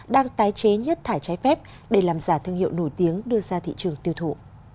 đang tái chế nhất thải trái phép để làm giả thương hiệu nổi tiếng đưa ra thị trường tiêu thụ